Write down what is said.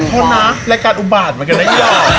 ขอโทษนะรายการอุบาตมากันนะอีหล่อ